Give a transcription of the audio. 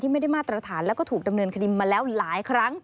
ไม่ได้มาตรฐานแล้วก็ถูกดำเนินคดีมาแล้วหลายครั้ง